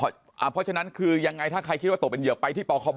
แต่นะคือยังไงถ้าใครคิดว่าตกเป็นเหยิบไปที่ปค